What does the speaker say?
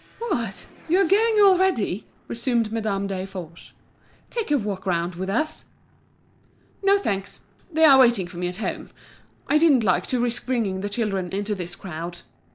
"What! you are going already?" resumed Madame Desforges. "Take a walk round with us." "No, thanks; they are waiting for me at home. I didn't like to risk bringing the children into this crowd."